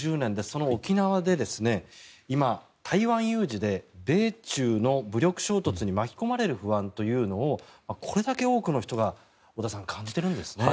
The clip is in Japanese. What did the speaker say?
その沖縄で今、台湾有事で米中の武力衝突に巻き込まれる不安というのをこれだけ多くの人が太田さん、感じているんですね。